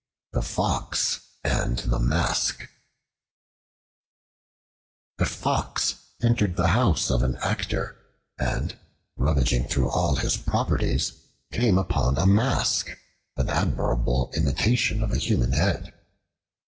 The Fox and the Mask A FOX entered the house of an actor and, rummaging through all his properties, came upon a Mask, an admirable imitation of a human head.